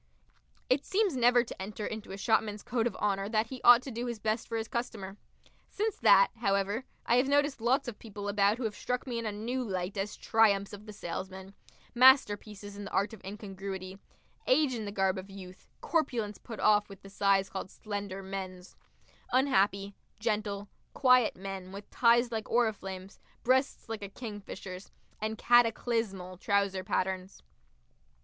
It seems never to enter into a shopman's code of honour that he ought to do his best for his customer. Since that, however, I have noticed lots of people about who have struck me in a new light as triumphs of the salesman, masterpieces in the art of incongruity; age in the garb of youth, corpulence put off with the size called "slender men's"; unhappy, gentle, quiet men with ties like oriflammes, breasts like a kingfisher's, and cataclysmal trouser patterns.